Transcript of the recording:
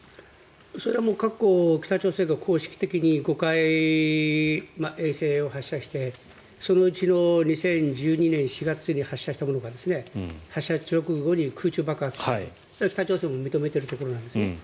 それは過去北朝鮮が公式的に５回衛星を発射してそのうちの２０１２年４月に発射したものが発射直後に空中爆発したと北朝鮮も認めているところです。